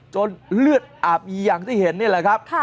เลือดอาบมีอย่างที่เห็นนี่แหละครับ